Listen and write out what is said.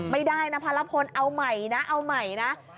ไม่ได้นะภารพลเอาใหม่นะเอาใหม่นะ